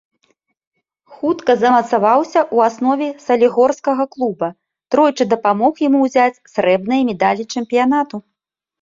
Хутка замацаваўся ў аснове салігорскага клуба, тройчы дапамог яму ўзяць срэбныя медалі чэмпіянату.